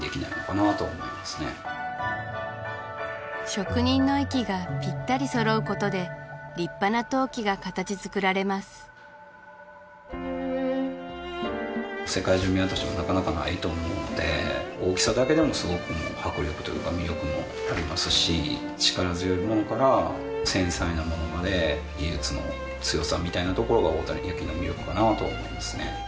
職人の息がぴったり揃うことで立派な陶器が形づくられます大きさだけでもすごく迫力というか魅力もありますし力強いものから繊細なものまで技術の強さみたいなところが大谷焼の魅力かなと思いますね